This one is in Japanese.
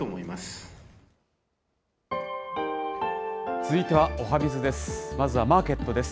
続いては、おはＢｉｚです。